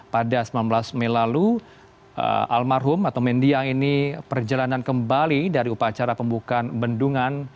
pada sembilan belas mei lalu almarhum atau mendiang ini perjalanan kembali dari upacara pembukaan bendungan